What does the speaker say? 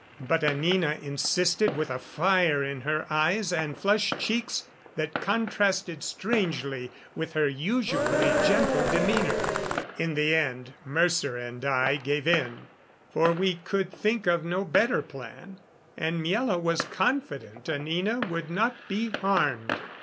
But Anina insisted, with a fire in her eyes and flushed cheeks that contrasted strangely with her usually gentle demeanor. In the end Mercer and I gave in, for we could think of no better plan, and Miela was confident Anina would not be harmed.